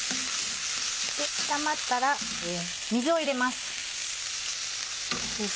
炒まったら水を入れます。